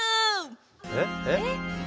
えっえっ！？